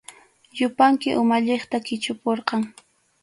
Yupanki umalliqta qichupurqan.